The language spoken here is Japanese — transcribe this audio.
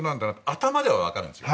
頭では分かるんですよ。